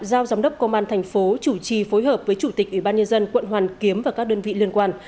giao giám đốc công an thành phố chủ trì phối hợp với chủ tịch ủy ban nhân dân quận hoàn kiếm và các đơn vị liên quan